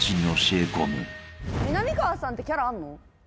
みなみかわさんってキャラあんの？